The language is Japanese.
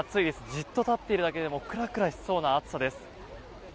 じっと立っているだけでもクラクラしそうな暑さです。